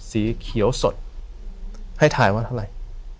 สีเขียวสดให้ถ่ายว่าเท่าไหร่